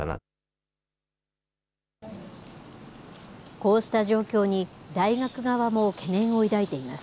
こうした状況に大学側も懸念を抱いています。